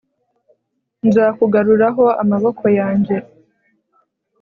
nzakugaruraho amaboko yanjye